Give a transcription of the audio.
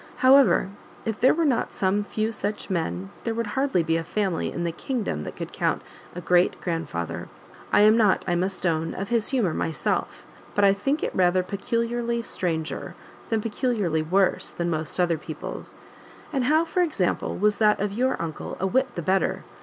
However, if there were not some few such men, there would hardly be a family in the kingdom that could count a great grand father. I am not, I must own, of his humour myself, but I think it rather peculiarly stranger, than peculiarly worse than most other peoples; and how, for example, was that of your uncle a whit the better?